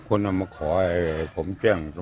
อันนั้นน่าจะเป็นวัยรุ่นที่จะเจอวันนี้